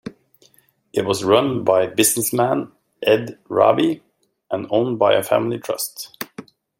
It was run by businessman Ed Raabe and owned by a family trust.